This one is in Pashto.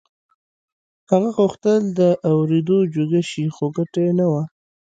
هغه غوښتل د اورېدو جوګه شي خو ګټه يې نه وه.